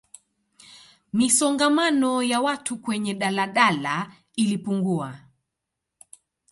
misongamano ya watu kwenye daladala ilipungua